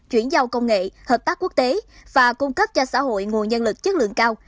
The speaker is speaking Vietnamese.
chuyển giao công nghệ hợp tác quốc tế và cung cấp cho xã hội nguồn nhân lực chất lượng cao